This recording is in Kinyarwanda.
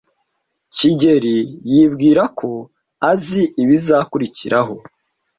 kigeli yibwira ko azi ibizakurikiraho.